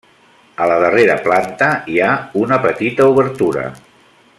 A la darrera planta hi ha una petita obertura.